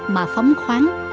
mà phóng khoáng